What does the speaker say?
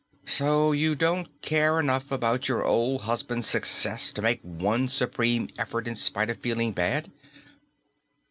"So you don't care enough about your old husband's success to make one supreme effort in spite of feeling bad?"